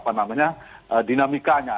dan itu adalah dinamikanya